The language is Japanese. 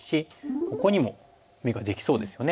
ここにも眼ができそうですよね。